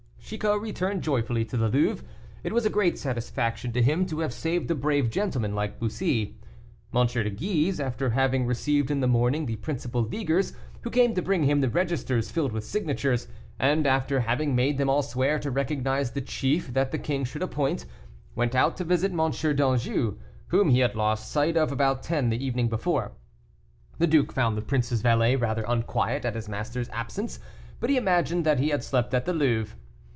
Chicot returned joyfully to the Louvre. It was a great satisfaction to him to have saved a brave gentleman like Bussy. M. de Guise, after having received in the morning the principal Leaguers, who came to bring him the registers filled with signatures, and after having made them all swear to recognize the chief that the king should appoint, went out to visit M. d'Anjou, whom he had lost sight of about ten the evening before. The duke found the prince's valet rather unquiet at his master's absence, but he imagined that he had slept at the Louvre.